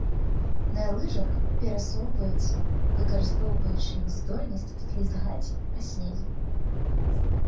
На лыжах перасоўваюцца, выкарыстоўваючы іх здольнасць слізгаць па снезе.